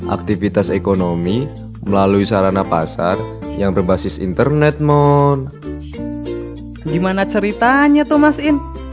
aktivitas ekonomi melalui sarana pasar yang berbasis internet mon gimana ceritanya tuh mas in